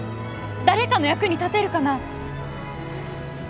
誰かの役に立てるかな？